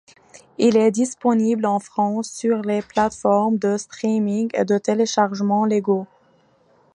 Il est disponible en France sur les plateformes de streaming et de téléchargement légaux.